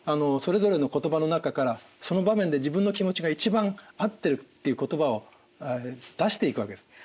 それぞれの言葉の中からその場面で自分の気持ちが一番合ってるっていう言葉を出していくわけです。